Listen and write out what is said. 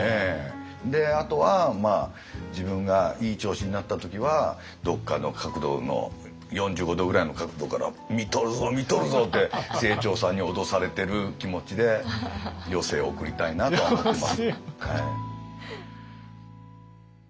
であとは自分がいい調子になった時はどっかの角度の４５度ぐらいの角度から「見とるぞ見とるぞ！」って清張さんに脅されてる気持ちで余生を送りたいなと思ってます。